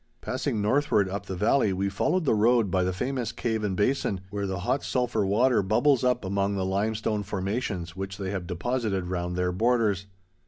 Passing northward up the valley, we followed the road by the famous Cave and Basin, where the hot sulphur water bubbles up among the limestone formations which they have deposited round their borders.